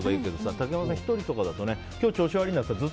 竹山さん、１人とかだと今日調子悪いなと思っても